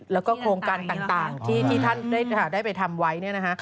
แล้วก็โครงการต่างที่ท่านได้ไปทำไว้